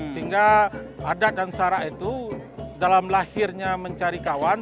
sehingga adat dan sarah itu dalam lahirnya mencari kawan